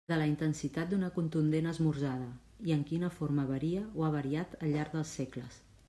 De la intensitat d'una contundent esmorzada i en quina forma varia o ha variat al llarg dels segles.